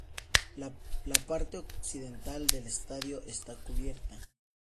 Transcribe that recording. La parte occidental del estadio está cubierta.